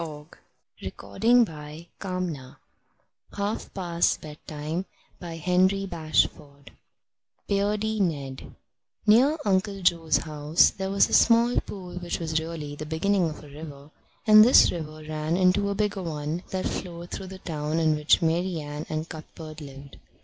BEARDY NED [Illustration: Beardy Ned's Fire] V BEARDY NED Near Uncle Joe's house there was a small pool which was really the beginning of a river; and this river ran into a bigger one that flowed through the town in which Marian and Cuthbert lived.